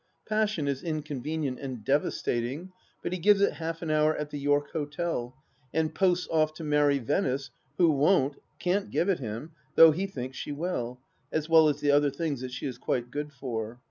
Passion is incon venient and devastating, but he gives it half an hour at the York Hotel ... and posts off to marry Venice, who won't, can't give it him, though he thinks she will, as well as the other things that she is quite good for.